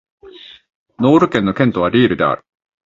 ノール県の県都はリールである